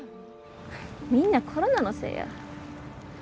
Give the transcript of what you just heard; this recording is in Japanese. みんなコロナのせいや。